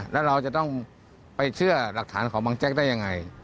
แล้วเราจะต้องไปเชื่อหลักฐานของบางแจ๊กได้ยังไง